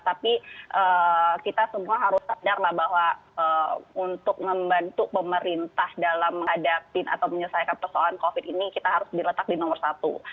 tapi kita semua harus sadar lah bahwa untuk membantu pemerintah dalam menghadapi atau menyelesaikan persoalan covid ini kita harus diletak di nomor satu